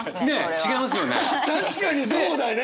確かにそうだね！